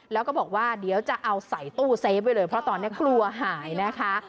แล้วก็บอกว่าเดี๋ยวจะเอาใส่ตู้เซฟไว้เลยเพราะตอนนี้กลัวหายนะคะ